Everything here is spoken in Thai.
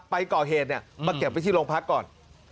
ไปก่อเหตุเนี่ยมาเก็บไว้ที่โรงพักก่อน